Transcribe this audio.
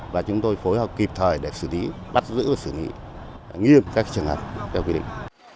và chúng tôi phối hợp kịp thời để xử lý bắt giữ và xử lý nghiêm các trường hợp theo quy định